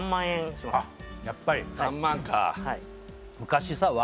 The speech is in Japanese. やっぱり３万か昔さ